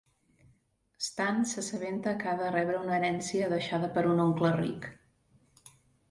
Stan s'assabenta que ha de rebre una herència deixada per un oncle ric.